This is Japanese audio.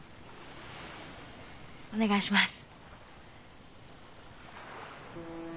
お願いします。